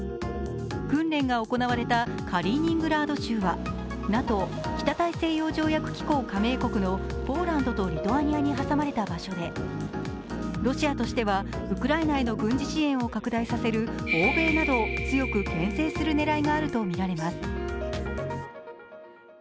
訓練が行われたカリーニングラード州はＮＡＴＯ＝北大西洋条約機構の加盟国のポーランドとリトアニアに挟まれた場所でロシアとしては、ウクライナへの軍事支援を拡大させる欧米などを強くけん制する狙いがあるとみられます。